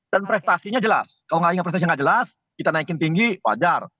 dan prestasinya jelas kalau nggak ingat prestasi yang nggak jelas kita naikin tinggi wajar